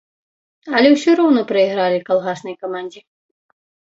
Але ўсё роўна прайгралі калгаснай камандзе.